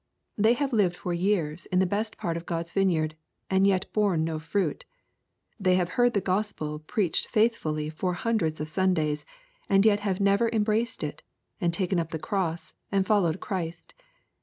They have lived fur years in the best part of God's vineyard, and yet borne no fruit. They have heard the Gospel preached faith fully for hundreds of Sundays, and yet have never em braced it, and taken up the cross, and followed Christ.